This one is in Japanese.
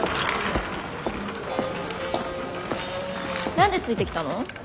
何でついてきたの？